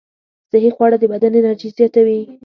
صحي خواړه د بدن انرژي زیاتوي.